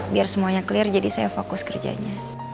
biar semuanya clear jadi saya fokus kerjanya